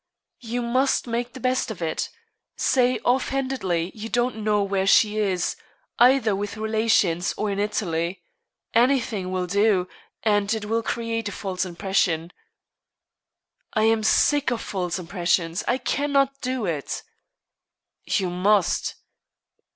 "You must make the best of it. Say, off handedly, you don't know where she is either with relations or in Italy. Anything will do, and it will create a false impression." "I am sick of false impressions. I cannot do it." "You must."